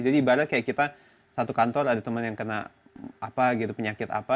jadi ibaratnya kayak kita satu kantor ada teman yang kena apa gitu penyakit apa